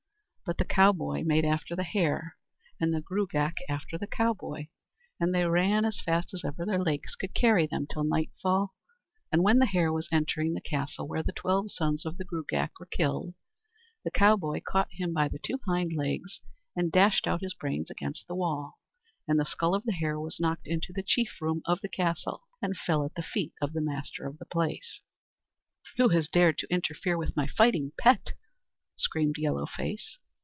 But the cowboy made after the hare, and the Gruagach after the cowboy, and they ran as fast as ever their legs could carry them till nightfall; and when the hare was entering the castle where the twelve sons of the Gruagach were killed, the cowboy caught him by the two hind legs and dashed out his brains against the wall; and the skull of the hare was knocked into the chief room of the castle, and fell at the feet of the master of the place. "Who has dared to interfere with my fighting pet?" screamed Yellow Face.